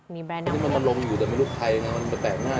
ซื้อประตูของพัทยาเขามาบอกว่า